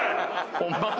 ホンマか？